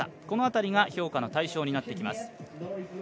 この辺りが評価の対象になってきます。